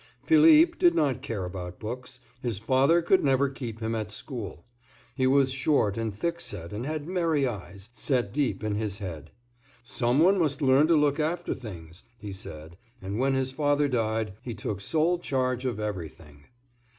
Philippe did not care about books; his father could never keep him at school. He was short and thick set and had merry eyes, set deep in his head. "Some one must learn to look after things," he said, and when his father died he took sole charge of everything.